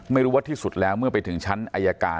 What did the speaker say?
ไม่รู้ว่าที่สุดแล้วเมื่อไปถึงชั้นอายการ